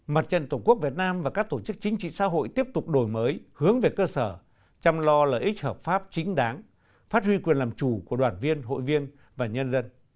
mặt trận tổ quốc việt nam và các tổ chức chính trị xã hội tiếp tục đổi mới hướng về cơ sở chăm lo lợi ích hợp pháp chính đáng phát huy quyền làm chủ của đoàn viên hội viên và nhân dân